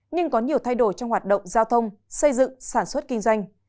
nhưng có nhiều thay đổi trong hoạt động giao thông xây dựng sản xuất kinh doanh